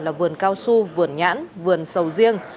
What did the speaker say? là vườn cao su vườn nhãn vườn sầu riêng